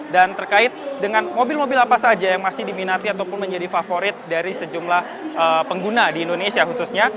dan terkait dengan mobil mobil apa saja yang masih diminati ataupun menjadi favorit dari sejumlah pengguna di indonesia khususnya